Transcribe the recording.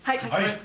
はい！